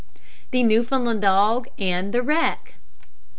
THE NEWFOUNDLAND DOG AND THE WRECK.